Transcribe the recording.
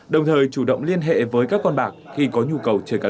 đồng thời chủ động liên hệ với các con bạc khi có nhu cầu chơi cá nhân